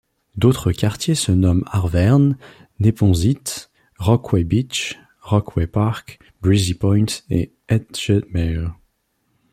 D'autres quartiers se nomment Arverne, Neponsit, Rockaway Beach, Rockaway Park, Breezy Point et Edgemere.